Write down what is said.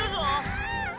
うん！